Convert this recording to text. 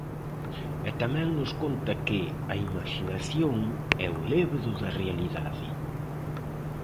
E tamén nos conta que "a imaxinación é o lévedo da realidade".